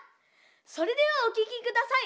それではおききください！